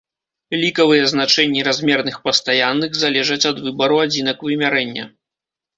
Лікавыя значэнні размерных пастаянных залежаць ад выбару адзінак вымярэння.